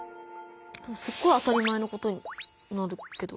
すごい当たり前のことになるけど。